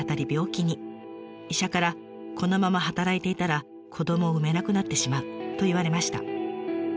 医者から「このまま働いていたら子どもを産めなくなってしまう」と言われました。